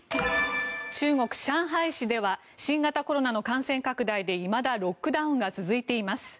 中国・上海市では新型コロナの感染拡大でいまだロックダウンが続いています。